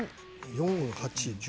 ４８１０。